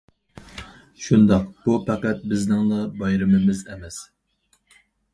شۇنداق، بۇ پەقەت بىزنىڭلا بايرىمىمىز ئەمەس.